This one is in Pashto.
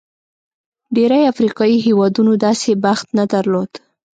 ډېری افریقايي هېوادونو داسې بخت نه درلود.